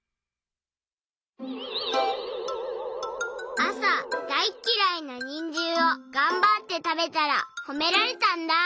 あさだいっきらいなにんじんをがんばってたべたらほめられたんだ。